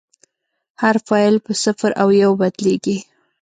هر فایل په صفر او یو بدلېږي.